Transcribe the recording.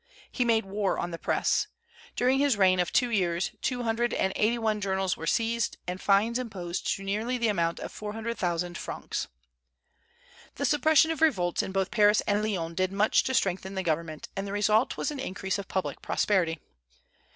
He made war on the Press. During his reign of two years two hundred and eighty one journals were seized, and fines imposed to nearly the amount of four hundred thousand francs. The suppression of revolts in both Paris and Lyons did much to strengthen the government, and the result was an increase of public prosperity.